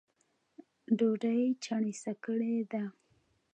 ډوډۍ چڼېسه کړې ده